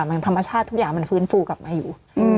มันธรรมชาติทุกอย่างมันฟื้นฟูกลับมาอยู่